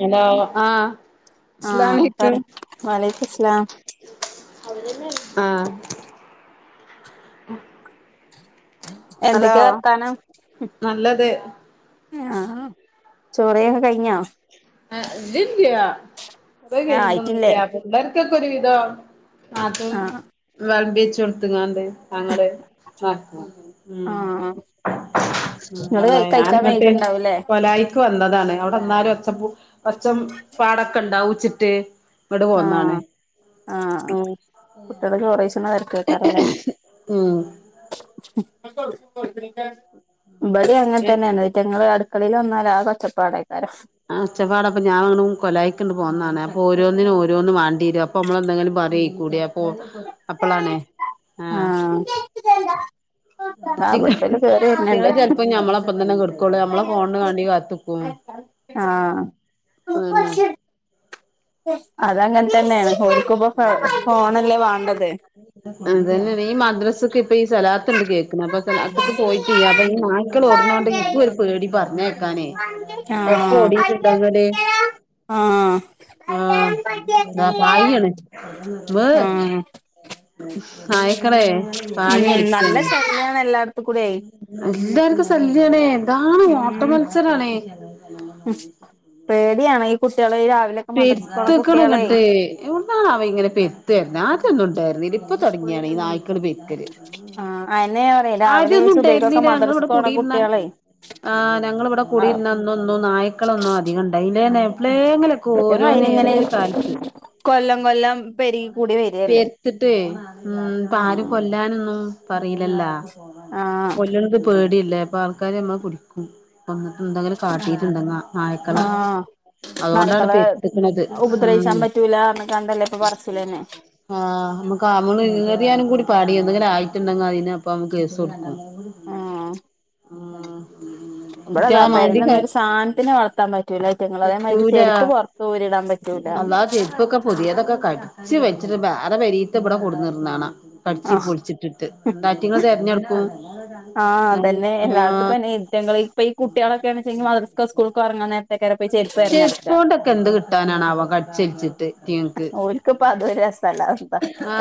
Hello ആഹ് ആഹ പറ അസ്സലാമലൈക്കും വലക്കും സ്ലാം ആ ഹലോ എന്തൊക്കെയാ വർത്താനം നല്ലത് ആ ചോറൊയ കഴിഞ്ഞോ ആ ഇതില്ല അത് ഏഹ് കഴണ്ടൊന്നില്ല ആയിട്ടില്ലേ പിള്ളേർക്കൊക്കെ ഒരു വിധം അതും ആഹ് വിളമ്പി വെച്ച കൊടുങ്ങെങ്ങാണ്ട് തങ്ങള് നക്ക ഉ ആഹ് ഉ നിങ്ങള് അാ കഴിക്കാൻ ഞാനിങ്ങട്ട് വൈകിണ്ടാവൂല്ലേ കൊലായിക്ക് വന്നതാണ് അവിടെന്നാലും ഒച്ചപ്പു പച്ചം പാടൊക്കെ ഇണ്ടാവച്ചിട്ട് ഇങ്ങോട് പോന്നതാണ് ആ കുട്ടികള് ചോറസന നേരത്ത്ക്കാറല്ലേ ഉം ഇബടെ അങ്ങനെ തന്നെയാണ് ഇതങ്ങള് മക്കളൽ വന്നാല ആ കൊറ്റപ്പാടക്കാരം ആച്ചപ്പാട അപ്പ ഞാ അങ്ങും കൊലായിക്കണ്ട് പോകന്നാണ് അപ്പോ ഓരോന്നിനും ഓരോന്നും വണ്ടിരും അപ്പ നമ്മ എന്തെങ്കിലും പറ കൂട അപ്പൊ അപ്പളാണ് ആ ആഹ് ആഹ് ഇബട്ത്തോല് കേറി വര്ന്ണ്ട് ചെപ്പോം ഞമ്മളെപ്പം തന്നെ കൊടുക്കുള്ളൂ നമ്മളെ ഫോൺ വേണ്ടി കാത്തുനിക്കും ആ അതങ്ങനെ തന്നെയാണ് നക്കുമ്പോ ഫോണല്ലേ വാണ്ടത് അതതന്നെയ ഈ മദ്രസ് ഒക്ക ഇപ്പൊ ഈ സ്ഥലാത്തണ്ട് കേൾക്കണത് സ്ഥലത്തൊക്ക പോയിട്ട് അപ്പൊ ഈ നായ്ക്കൾ ഓടുന്നോണ്ട് എനിക്ക ഒരു പേടി പറഞ്ഞേക്കാനേ ഒപ്പ ആഹ് ഓടട്ടുണ്ടങ്ങടെ ആഹ് ആ ആ പായിയാണ് വ്വ് ആഹ് ഉം നല്ല സമയാണ് എല്ലാടത്തും കൂടെ എന്താർക്കും ശല്യണേ എതാണ് ഓട്ട ഉം മത്സരണേ പേടിയാണ് ഈ കുട്ടികളെ ഈ രാവിലെയൊക്കെ മദ്രസക്ക് പോണ പെരുത്ത വെക്കണ കുട്ടികളെ ഇങ്ങോട്ട് എവിടെണ അവ ഇങ്ങനെ പെരിത്ത് വരുന്നോ ആദ്യയെന്നും ഉണ്ടായിരുന്നില്ല ഇപ്പം തെടങ്ങിയാണ് ഈ നായ്ക്കള് പെ ആഹ് അയന്നെ ഞാൻ പറയും രാവിലെ ആദ്യ ഒന്നും സുബഹിക്കൊക്കെ ഉണ്ടായിരുന്നില്ല ഞങ്ങള് ഇവിടെ മദ്രസക്ക് പോണ കൂടിയിരുന്ന കുട്ടികളെ ആ ഞങ്ങൾ ഇവിടെ ആഹ് കൂടിയിരുന്ന അന്നൊന്നും നായ്ളൊന്നും അധികം ഉണ്ടായില്ല ലെ ക്ക ഓരോന്ന് അയിനിങ്ങനെ ഏതെങ്കിലും കാലത്ത് കൊല്ലം കൊല്ലം പെരുകി കൂടി വരല്ലേ പെരിത്തിട്ടേ ഉം ഇപ്പോ ആരും ആഹ് കൊല്ലാനൊന്നും പറയിലല്ലോ ആഹ് കൊല്ലണത് പേടിയില്ലേ അപ്പ ആൾക്കാര് നമ്മളെ പിടിക്കും വന്ന് എന്തെങ്കിലും കാട്ടീട്ടുണ്ടെങ്ങ നായ്ക്കള ആഹ് അതുകൊണ്ടാണ് നായ്ക്കളെ പേരിത്തി നിക്കണത് ഉപദ്രവിച്ചാൻ ഉം പറ്റൂല പറഞ്ഞ്ക്കാണ്ടല്ലേ ഇപ്പൊ പറച്ചിലന്നെ അമ്മക്ക് മതിയാനും കൂടി പാടി എന്തെങ്കിലും ആയിട്ടുണ്ടെങ്കി അതിന് അപ്പ നമക്ക് കേസ് കൊടുക്കു ആഹ് ആ ഇവിടെതാ പെരിലൊന്നും ഒന്നും ഒരു സാധനത്തിനെ വളർത്താൻ പറ്റ പറ്റൂല അയിറ്റങ്ങൾ അതേമാതിരി പറ്റൂല ചെരുപ്പ് പൊറത്ത് ഊരിടാൻ പറ്റൂല കടിച് വെച്ചിട്ട് വേറെ പെരിത്തത് ഇവിടെ കൊടുന്നിടുന്നത് കാണാം കടിച്ചി ആഹ് പൊളിച്ചിട്ടിട്ട് അയിറ്റങ്ങൾ തിരഞ്ഞടുക്കും ആഹ് അതന്നെ എല്ലട്ത്തും ഇപ്പം ഈറ്റങ്ങൾ ഇപ്പ ഈ കുട്ടികൾ ഒക്കെ ആണ്ചെങ്കി മദ്രസ്കോ സ്കൂൾക്കോ കറങ്ങ്ണെ ചെര്പ്പോണ്ടൊക്കെ എന്ത് കിട്ടാനാണവാം കടിച്ചലിച്ചിട്ട് അയിറ്റങ്ങക്ക് പ്പ അതൊരു രസം ആ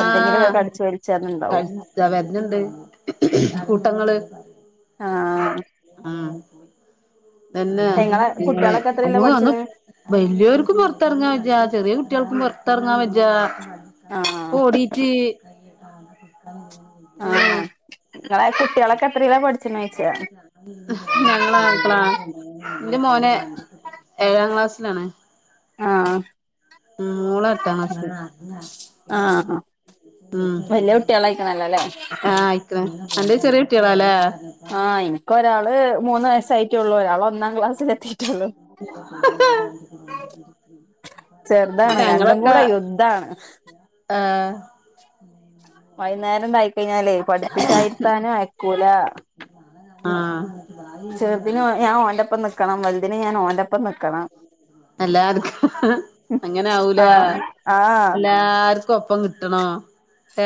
വലിച്ചാന്നുണ്ടാവും ക വെരുന്നുണ്ട് കൂട്ടങ്ങള് ആഹ് ആ എന്നെ നിങ്ങളെ കുട്ടികളൊക്കെ എത്രയിലാ നമ്മക് വന്ന് പഠിച്ചത് വലിയോർക്കും പുറത്തിറങ്ങാൻ വജ്ജാ ചെറിയ കു കുട്ടികൾക്കും പുറത്തിറങ്ങാൻ വെജ്ജ ഇപ്പൊ ആഹ് ഓടീറ്റ് ആ ആഹ് ഇങ്ങളെ കുട്ടികളൊക്കെ എത്രയിലാ പഠി ഞങ്ങളെ ആക്കളാ എന്റെ മോൻ ഏഴാം ക്ലാസ്സിലാണ് ആ ഉം മോള് എട്ടാം ക്ലാസ് ആഹ് ഉം വലിയ കുട്ടികളായിക്കണല്ലോ അല്ലേ ആഹ് ആയിക്ക്ണ് അന്റത് ചെറിയ കുട്ടികളാലേ ആഹ് ഇനിക്കൊരാള് മൂന്ന് വയസ്സായിട്ടൊള്ളു ഒരാള് ഒന്നാം ക്ലാസ്സിൽ എത്തി ചെറുതാണ് രണ്ടും ഞങ്ങളൊക്കെ കൂടെ യുദ്ധാണ് ആഹ് വൈന്നേരംണ്ടായിക്കഴിഞ്ഞാലേ പഠിപ്പിച്ചായിര്ത്താനും അയക്കൂല. ആഹ് ചെർതിന് ഞാൻ ഓന്റപ്പം നിക്കണം വല്തിന് ഞാൻ ഓന്റപ്പം നിക്കണം. എല്ലാര്ക്കും അങ്ങനെ ആ ആവൂലേ ആ എല്ലാര്ക്കും ഒപ്പം കി കിട്ടണോ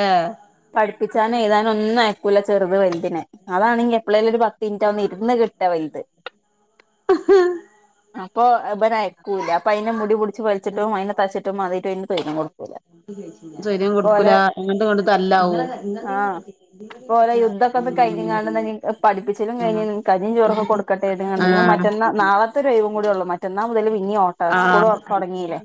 ഏഹ് പഠിപ്പിച്ചാനും എയ്താനും ഒന്നുംഅയക്കൂല ചെറ്ത് വല്തിനെ അതാണെങ്ങി എപ്പളേലും ഒര് പ ത്തിൻറ്റാ ഒന്ന് ഇരുന്ന് കിട്ടാ വൽത് അപ്പൊ ഇബൻ അയക്കൂല്ല അപ്പൊ അയ്നെ മുടി പുടിച്ച് വലിച്ചിട്ടും അയ്നെ തച്ചിട്ടും അതേട്ടും അയ്ന് തൊയ്രം കൊടു സ്വയ്ര്യം കൊടുക്കൂല അങ്ങട്ടും ഇങ്ങട്ടും തല്ലാവും. ഇപ്പോലെ യുദ്ധൊക്കൊന്ന് കയ്ഞ് ങ്ങാണ്ട് ഇന്ന ഇഞ്ഞ് പഠപ്പിച്ചലും ആഹ് കഴിഞ്ണ് കഞ്ഞിം ചോറൊക്കെ കൊടുക്കട്ടെര്തിങ്ങാണ്ട് ഇഞ്പ്പ മ ആഹ് റ്റന്നാ നാളത്തെ ഒരു ഒയ്വും കൂടിയെ ഒള്ളൂ മറ്റന്നാ മുതല് പിന്നിം ഓട്ടാ സ്കൂള് ആഹ് തൊടങ്ങീലെ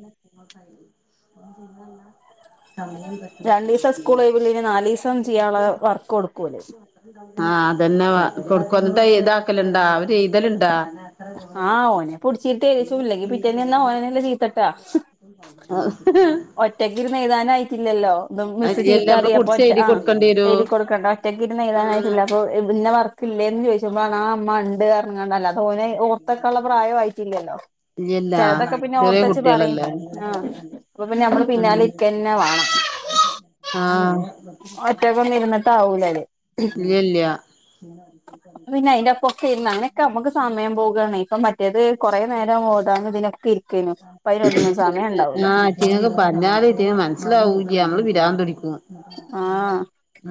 രണ്ടീസം സ്കൂള ഒയ്വ് ഇള്ളയ്ന് നാലീസം ചിയ്യാള്ള വർക്ക് കൊടുക്കും ഓല്. ആഹ് അതന്നെ ആ കൊടുക്കും അന്നിട്ട് എയ്താക്കല്ണ്ടാ അവര് എയ്തല്ണ്ടാ പുടിച്ചിട്ട് എഴുതിച്ചുല്ലെങ്കി പിറ്റേന്ന് ചെന്നാ ഓനനല്ലെ ചീത്തട്ടാ ഒറ്റക്കിരുന്ന് എഴുതാനായിട്ടില്ലല്ലോ അതോണ്ട് മിസ്സ് അല്ല ചീത്ത നമ്മള് പറയും അപ്പോ പുടിച്ച് ഒറ്റ എഴുതി ആഹ് കൊടുക്കേണ്ടി വരോ എഴുതി കൊടുക്കണ്ട ഒറ്റക്ക് ഇരുന്ന് ഉം എഴുതാനായിട്ടില്ല അപ്പ പിന്നെ വർക്കില്ലേന്ന് ചോദിച്ചപ്പോ ആ ഇമ്മ ഉണ്ട് പർഞ്ഞ് പർഞ്ഞ്കാണ്ട് അല്ലാതെ ഓന് ഓർത്തേക്കാള്ള പ്രായം ആയിറ്റില്ലല്ലോ ഇല്ലല്ല ചെലതൊക്കെ പിന്നെ ചെറിയ ഓർത്തച് പറിം കുട്ടികളല്ലേ ആഹ് അപ്പ പിന്നെ നമ്മള് പിന്നാലെ ഇരിക്കന്നെ വാണം ആഹ് ഒറ്റക്കൊന്നും ഇരുന്നിട്ട് ആവൂ ല്ല്യല്ല്യാ പിന്നെ അയിന്റെപ്പൊക്കെ ഇരുന്ന് അങ്ങനൊക്കെ നമുക്ക് സമയം പോവുകയാണ് ഇപ്പൊ മറ്റേത് കൊറേ നേരം ഓതാനും ഇതിനൊക്കെ ക്കെ ഇര്ക്കേയ്നു ഇപ്പം അയിന് ഒന്നിനും സമയംണ്ടാവൂല ഇറ്റിങ്ങക്ക് പർഞ്ഞാല് ഇറ്റിങ്ങൾക് മൻസ്സിലാവൂല്ല്യ നമ്മള് പിരാന്ത് പിടിക്കും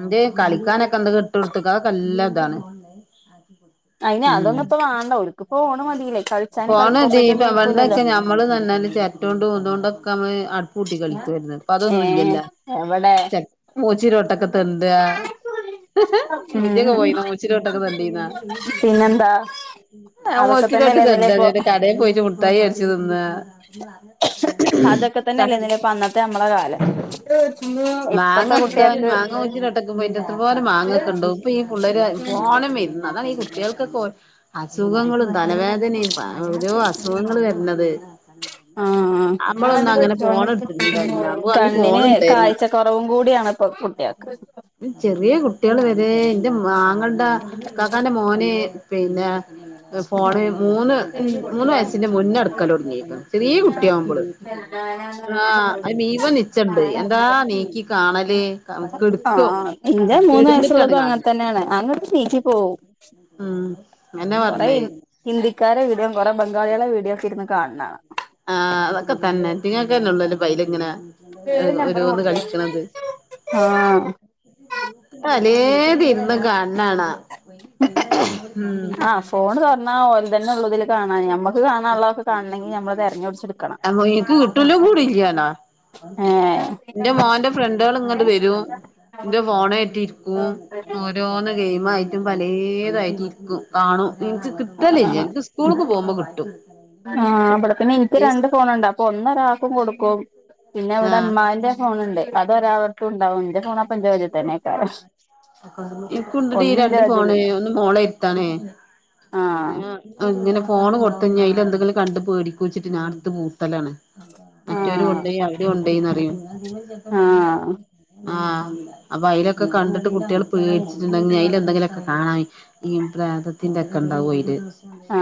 ഇന്റെ കളിക്കാനൊക്കെ എന്തൊക്ക ഇട്ട് കൊടുത്ത്ക്ക അതൊക്കെ നല്ലതാണ് അയിന് അതൊന്നുംപ്പൊ വാണ്ട ഓൽക്ക് പൊ പോണ ദീപ ഇരിക്കൂലല്ലോ പണ്ടൊക്കെ നമ്മളിന്നാർഞ്ഞാല് ചെര്റ്റോണ്ടും തോണ്ടൊ ക്ക നമ്മള് അടുപ്പൂട്ടി കളിക്കുവായിര്ന്ന് ഇപ്പ ഏ അതൊന്നുല്ലല്ലോ എവിടെ ചട്ട് മൂച്ചിന്റെ ചോട്ട് ഇപ്പന്താ ഇജൊക്കെ ഉം പോയീന്നാ മൂച്ചിന്റെ ചോട്ടൊക്കെ തെണ്ടീനോ അഫ് ആ മൂച്ചിന്റെ ചോട്ട് തെണ്ടാ കടേ പോയിട്ട് മുട്ടായി വേടിച്ച് തിന്നാ അതൊക്ക തന്നെല്ലേയ്നിലെ ചക്കി അന്നത്തെ നമ്മളെ കാലം ഇപ്പത്തെ കുട്ട്യാക്ക് ഇതീന്റോട്ടൊക്കെ പോയിട്ട് എത്രപോരം മാങ്ങൊക്കെണ്ടാവും ഇപ്പൊ ഈ പുള്ളേര് ഫോണ് മെ ഇര്ന്ന് അതാണ് ഈ കുട്ട്യാൾകൊക്കെ ഓരൊ അസുഖങ്ങളും തലവേദനയും പ ഓരോ അസുഖങ്ങളും വരുന്നത് നമ്മളൊന്നും ആഹ് അങ്ങനെ ഫോൺ എടുത്തിട്ടുണ്ടായിരുന്ന നമ്മക്ക് അന്ന് ഫോൺ കണ്ണിന് ഉണ്ടായിരുന്ന കാഴ്ചകുറവും കൂടിയാണ് ഇപ്പൊ കുട്ട്യാക്ക് [unintelligible] ഉം ചെറിയ കുട്ടിള് വരെ ഇന്റെ മാ ആങ്ങൾന്റെ ഇക്കാക്കാന്റെ മോന് പിന്നെ, ഏഹ് ഫോണ് മൂന്ന് മൂന്ന് വയസ്സിന്റെ മുന്നെ എട്ക്കെലൊട്ങ്ങീക്ക്ണ് ചെറീ കുട്ടിയാവുമ്പള് ആഹ് അത് മീവൻ നിച്ചണ്ട് എന്താ നീക്കി കാണല്. ആ [unintelligible] ഇന്റെ മൂന്ന് കെട്ന്ന്ട്ടാണ് വയസ്സുള്ളതും അങ്ങനെ കാൺണെ തന്നെയാണ് അങ്ങട്ട് നീക്കി പോവും ആഹ് കൊറേ ഹി ഹിന്ദിക്കാരെ വീഡിയോം കൊറേ ബംഗാളിളെ വീഡിയോ ഒക്ക ഇര്ന്ന് കാൺണാണ. ആഹ് അതൊക്കെ തന്നെ ഇറ്റങ്ങൾക്കല്ലൊള്ളു അയില് ഇപ്പങ്ങനെ അഹ് കാണാ ഓരോന്ന് കളിക്ക്ണത്. ആ [unintelligible] ലേത് ഇര്ന്ന് കാൺണാണ [inaudible] ത് നൊള്ളു ഇതില് കാണാന് നമ്മ ക്ക് കാണാള്ളൊക്കെ കാണണെങ്കിൽ നമ്മള് തെരഞ്ഞൊടിച്ച് ഇട്ക്കണം. ഇന്റെ മോന്റെ ഫ്രണ്ട്ള് ഇങ്ങട്ട് വെരും ഇന്റെ ഫോണേറ്റിരിക്കും. ഓരോന്ന് ഗെയിം മ് ആയിട്ടും പലേതായിട്ടിരിക്കും കാണും ഇൻക്ക് കിട്ടലില്ല ഇൻക്ക് സ്കൂൾക്ക് പോവുമ്പ കിട്ടും. ആഹ് ഇബടെ പിന്നെ ഇൻക്ക് രണ്ട് ഈ ഫോണ് ഇണ്ട്. അപ്പ ഒന്നരാൾക്കും കൊടുക്കും. പിന്നെ ഇവിടെ ആഹ് ഇമ്മാന്റെ ഫോണ് ഇണ്ട് അതൊരാളട് ത്ത്ണ്ടാവും ഇന്റെ ഫോണ് അപ്പ ഇന്റെ കജ്ജ് തന്നേക്കാരം. ഇൻക്കുണ്ടെടി രണ്ട് ഫോണ് ഒന്ന് മോളെര്ത്താണ്. ആഹ് പിന്നെ അങ്ങനെ ഫോണ് കൊട്ത്ത് ഇഞ്ഞ് അയില് എന്തെങ്കിലും കണ്ട് പേടിക്കുച്ചിട്ട് ഞാൻ ഇട്ത്ത് പൂത്തലാണ്. മറ്റോര് ആഹ് കൊണ്ടോയി അവര് കൊണ്ടോയിന്നറിയും ആഹ് [inaudible] ആഹ് അപ്പ അയിലൊക്കെ കണ്ടിട്ട് കുട്ടിള് പേടിച്ചിട്ട് ഇണ്ടെങ്കിൽ അയില് എന്തെങ്കിലൊക്കെ കാണാന് ഈ പ്രേതത്തിന്റെക്കെ ഇണ്ടാവു അയില്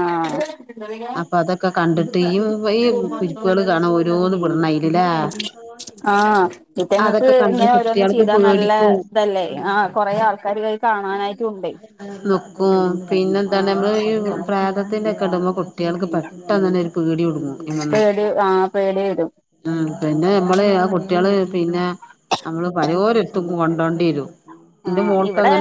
ആഹ് അപ്പ അതൊക്കെ കണ്ടിട്ട് ഈ [unintelligible] കുരുപ്പ്ള് കാണ ഓരോന്ന് വിടണ് അയി ആഹ് അയിറ്റങ്ങക്ക് അതൊക്കെ ഇങ്ങനെ കണ്ടിട്ട് ഓരോന്ന് കുട്ടികൾക്ക് ചെയ്താ നല്ല പേടിക്കും ഇതല്ലേ ഉം ആഹ് കൊറെ ആൾക്കാര് അത് കാണാനായിട്ടും ഒണ്ടേ ക്കും പിന്നെ എന്താണ് നമ്മള് ഈഹ് പ്രേതത്തിന്റെ ക്കെ ഇടുമ്പോ കുട്ടികൾക്ക് പെട്ടെന്ന് തന്നെ ഒരു പേടി [unintelligible] ഇങ്ങന്ന് പേടി ആഹ് പേടി വരും ആഹ് പിന്നെ നമ്മള് ആ കുട്ടികള് പിന്നെ നമ്മള് പാലൊരാത്തും കൊണ്ടോണ്ടിവരും. ആഹ് ഇവടെ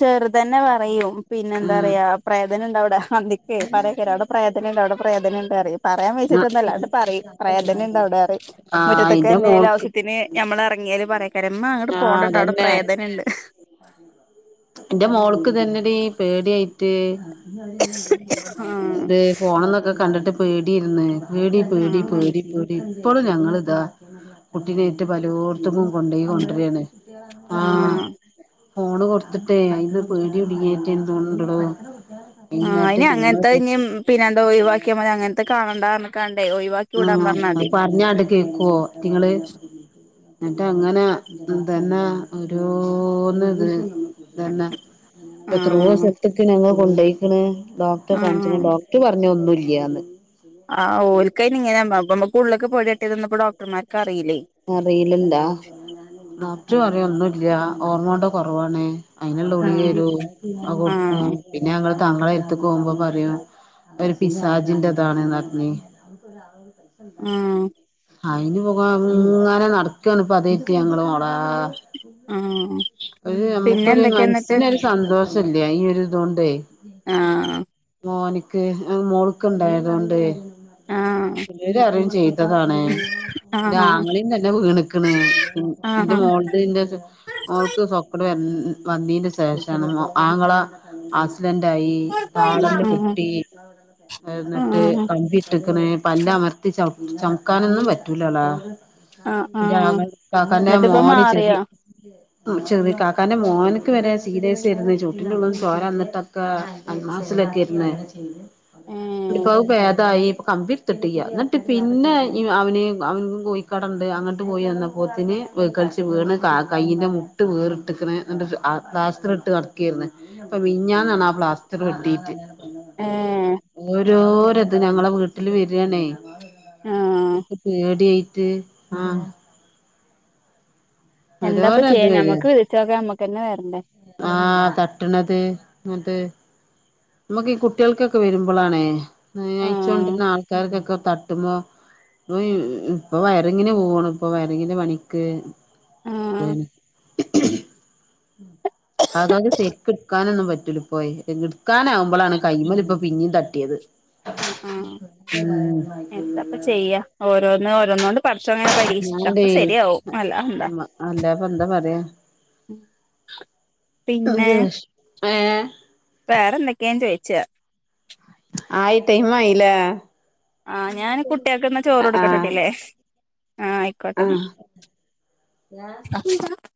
ചെറുതന്നെ പറയും പിന്നെ എന്താ ഉം പറയാ പ്രേതനുണ്ട് അവടെ അന്തിക്കെ പറേ [unintelligible] പ്രേതന്ണ്ട് അവടെ പ്രേതന്ണ്ട് റയും പറയാ വേയ്ച്ചിട്ട് ഒന്നുല്ല അങ്ങട് പറയും പ്രേതന്ണ്ട് അവടെറയ് ആഹ് മുറ്റത്തക്കെ ഇന്റെ എന്താലും മോൾക്ക് ആവശ്യത്തിന് ഞമ്മള് എറങ്ങിയാല് പറയകാര് ഉമ്മ അങ്ങോട്ട് ആഹ് പോണ്ടട്ടാ അവിടെ അതന്നെ പ്രേത എന്റെ മോൾക്ക് തന്നെടി പേടിയായിട്ട് ആഹ് ഇതെ ഫോണ്ന്നൊക്കെ കണ്ടിട്ട് പേടിരിന്ന് പേടി പേടി ആഹ് പേടി പേടി ഇപ്പോളും ഞങ്ങളിതാ കുട്ടിനായിട്ട് പലോടുത്തും കൊണ്ടോയി കൊണ്ടുവര്ണ് ആഹ് ഫോണ് കൊ ടുത്തിട്ടേ അയില് പേടികുടുങ്ങിട്ട് എന്തോ ഒണ്ടടോ ആഹ് ഇനി അങ്ങനത്തെ ഇനിം [unintelligible] ഒഴിവാക്കിയാ മതി അങ്ങനത്തെ കാണണ്ട [unintelligible] ആഹ് പറഞ്ഞണ്ട് കേക്കുവോ ഇങ്ങള് എന്നിട്ടങ്ങനാ തന്നാ ഒരോന്നിത് തന്ന എത്രോ ആഹ് സലത്തിക്ക് ഞങ്ങ കൊണ്ടോയെക്ക്ണ് ഡോക്ടറെ ആഹ് കാണിച്ച് ഡോക്ടർ പറഞ്ഞു ഒന്നുല്ല്യന്ന് ആഹ് ഓൽക്കയിന് ഇങ്ങനെ അമ്മക്ക് ഉള്ളക്ക് പേടിതട്ടിയതൊന്നും ഇപ്പോ ഡോക്ടർമാർക്ക അറിയില്ലല്ല ഡോക്ടർ പറയാ ഒന്നുല്ല്യ ഹോർമോൺന്റെ കൊറവാണ് അയിനൊള്ള ഗുളികരു ആഹ് അത് കൊടുക്കാ ആഹ് പിന്നെ ഞങ്ങ താങ്കളെ എത്ത്ക്ക് പോവുമ്പോ പറയാ ഒരു പിസാജിന്റെതാണ് ന്ന് റഞ്ഞി ആഹ് അയിന് പോക ഇങ്ങനെ നടക്കാണ് ഇപ്പ [unintelligible] ഞങ്ങള് മോ ആഹ് ഒരു പിന്നെ നമ്മുക്കൊരു എന്തൊക്കെയാ എന്നിട്ട് മനസ്സിനൊരു സന്തോഷ ഇല്ല ഈയൊരു ഇതോണ്ടേ ആഹ് മോന്ക്ക് മോള്ക്ക്ണ്ടായതോണ്ടേ ആഹ് ചിലരറിയും ചെയ്തതാണ് ആഹ് ആഹ് ന്റാങ്ങളീം തന്നെ വീണ്ക്ക്ണ് ന്റെ ആഹ് മോള്ത് ന്റെ ത് [unintelligible] സോക്കെട് വ വന്നീന്റെ ശേഷാണ് ആങ്ങള ആസ് ഡെന്റായി താടെല്ല് പൊട്ടി ഏഹ് ന്നട്ട് ആഹ് കമ്പിട്ട്ക്ക്ണ് പല്ലമർത്തി ചം ചംക്കാനൊന്നും പറ്റൂലാളാ ആഹ് ആഹ് ന്റാങ്ങ ന്നാ തന്നെ എന്നിട്ടിപ്പ മോന് ചെറി മാറിയോ ചെറിക്കാക്കാന്റെ മോന്ക്ക് വെരെ സീരിയസേര്ന്ന് ചൊവ്ട്ടിന്റുള്ള്ന്ന് ചോരന്ന്ട്ടൊക്കെ അൽമാസിലെക്കെ യ്ന്ന് ഏഹ് ന്നട്ട്പ്പത് പേതായി പ്പാെ കമ്പിട്ത്ത്ട്ട്യ്യ ന്നട്ട് പിന്നെ ഈ അവന് അവൻ കോയിക്കടണ്ട് അങ്ങട്ട് പോയന്നപ്പോത്ത്ന് വീകൽച്ച് വീണ് കാ കയ്യിന്റെ മു ട്ട് വേർട്ട്ക്ക്ണ് ന്നട്ട് ആഹ് പ്ലാസ്റ്ററ്ട്ട് നടെക്കേര്ന്ന് പ്പം മിഞ്ഞാന്നാണാ പ്ലാസ്റ്ററ് വെട്ടീട്ട് ഏഹ് ഓ രോരത് ഞങ്ങളെ വീട്ട്ൽ വരാണേ ആഹ് ത്പ്പം പേട്യായ് ട്ട് ആഹ് എന്താപ്പ ഓരോരോ ചെയ്യാ ഇത് വരാ ഞമ്മക്ക് വിതിച്ചാെക്കെ ഞമ്മക്കെന്നെ വെരെണ്ടെ ആഹ് തട്ട്ണത് അത് മ്മക്ക് ഈ കുട്ട്യോൾക്കൊക്കെ വെര്മ്പളാണ് ഏഹ് ആഹ് നെയ്ച്ചാെണ്ടര്ണ ആൾക്കാര്ക്കൊക്കാ തട്ട്മ്പാ [unintelligible] ഇപ്പൊ വയറിങ്ങ്ന് പോവാണ് ഇപ്പൊ വയറിങ്ങ്ന്റെ പണിക്ക് ആഹ് പോയ്ണ് അതാത് സെര്ക്ക്ട്ക്കാനൊന്നും പറ്റൂലാ പോയെ ഇങ്ങെട് ക്കാനാവുമ്പളാണ് കയ്യ്മ്മല്‌പ്പം പിന്നിം തട്ട്യേത് ആഹ് ആഹ് എന്താപ്പ ചെയ്യാ ഓരോന്ന് ഓരോന്നോണ്ട് പട്ച്ചാേൻങ്ങനെ പരീ ഞാനടേ ഒക്കെ സെര്യാവും അല്ലാതെന്താ അല്ലാപ്പ എന്താ പറയാ ഉം പിന്നേ ഏഹ് വേറെന്തൊക്കെയാന്ന് ചോയിച്ചയാ ആയി ടൈമായില്ലേ ആഹ് ഞാൻ കുട്ടികൾക്കിന്ന് ചോറ് ആ ആഹ് കൊടുക്കട്ടെട്ടില്ലേ ആഹ് ആയിക്കോട്ടെന്നാ. ആഹ്